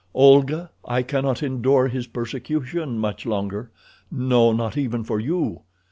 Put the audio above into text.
Olga, I cannot endure his persecution much longer. No, not even for you.